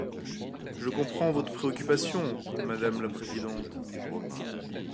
Je comprends votre préoccupation, madame la présidente.